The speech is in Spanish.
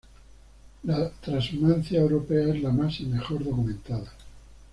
La trashumancia europea es la más y mejor documentada.